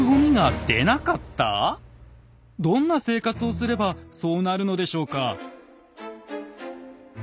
どんな生活をすればそうなるのでしょうか。